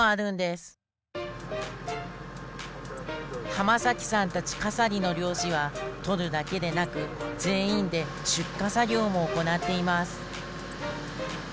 濱崎さんたち笠利の漁師は取るだけでなく全員で出荷作業も行っています